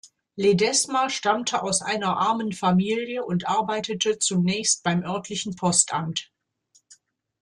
Ledesma stammte aus einer armen Familie und arbeitete zunächst beim örtlichen Postamt.